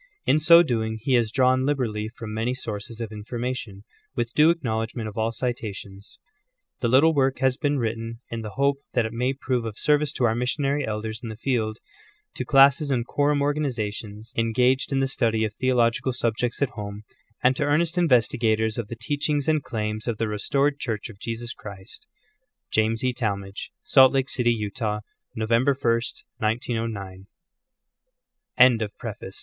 In so doing he has drawn liberally from many sources of information, with due acknowledgment of all citations. The little work has been written in the hope that it may prove of service to our missionary elders in the field, to classes and quorum organizations engaged in the iv. t>REFACE. study of theological subjects at home, and to earnest investi gators of the teachings and claims of the restored Church of Jesus Christ. James E. Talmage. Salt Lake City, Utah. November 1, 1909. Contents. CHAPTER I.